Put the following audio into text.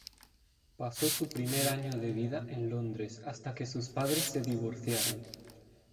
Pasó su primer año de vida en Londres hasta que sus padres se divorciaron.